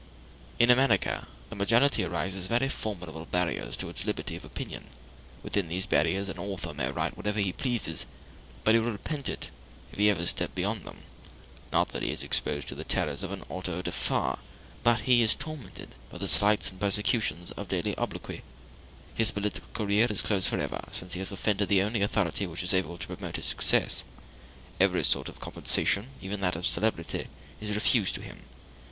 In America the majority raises very formidable barriers to the liberty of opinion: within these barriers an author may write whatever he pleases, but he will repent it if he ever step beyond them. Not that he is exposed to the terrors of an auto da fe, but he is tormented by the slights and persecutions of daily obloquy. His political career is closed forever, since he has offended the only authority which is able to promote his success. Every sort of compensation, even that of celebrity, is refused to him.